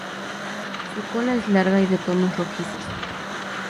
Su cola es larga y de tonos rojizos.